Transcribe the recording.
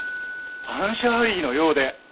アン・シャーリーのようで！